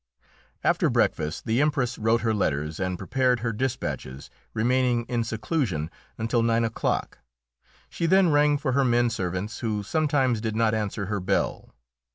After breakfast the Empress wrote her letters and prepared her despatches, remaining in seclusion until nine o'clock. She then rang for her men servants, who sometimes did not answer her bell.